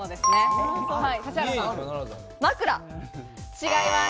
違います。